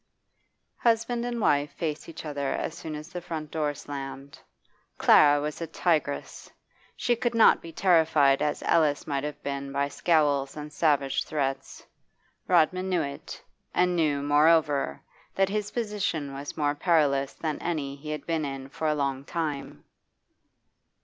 Husband and wife faced each other as soon as the front door slammed. Clara was a tigress; she could not be terrified as Alice might have been by scowls and savage threats. Rodman knew it, and knew, moreover, that his position was more perilous than any he had been in for a long time.